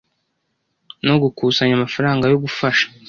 no gukusanya amafaranga yo gufasha